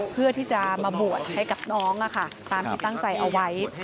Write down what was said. เพื่อที่จะมาบวชให้กับน้องตามที่ตั้งใจเอาไว้